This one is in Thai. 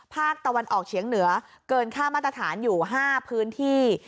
ภาคตะวันออกเฉียงเหนือเกินค่ามาตรฐานอยู่๕พื้นที่